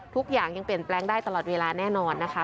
ทุกอย่างยังเปลี่ยนแปลงได้ตลอดเวลาแน่นอนนะคะ